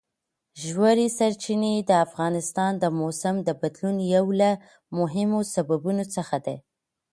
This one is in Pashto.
ژورې سرچینې د افغانستان د موسم د بدلون یو له مهمو سببونو څخه ده.